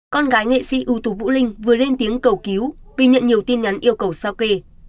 con gái nghệ sĩ ưu tú vũ linh vừa lên tiếng cầu cứu vì nhận nhiều tin nhắn yêu cầu sao kê